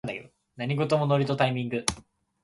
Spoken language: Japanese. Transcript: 何事もノリとタイミング